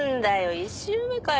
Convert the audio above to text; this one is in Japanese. １周目かよ。